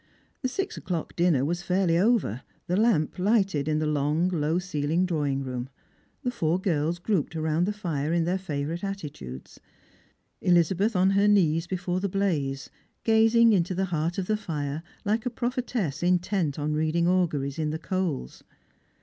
Th« six o'clock dinner was fairly over, the lamp lighted in the long low coiled drawing room, the four girls grouped round the fire in their favourite attitudes — Elizabeth on her knees before the blaze, gazing into the heart of the fire, like a prophetess intent on reading auguries iu the coals.